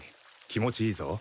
気持ちいいぞ。